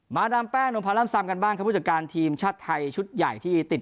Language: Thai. ดามแป้งนมพาร่ำซำกันบ้างครับผู้จัดการทีมชาติไทยชุดใหญ่ที่ติด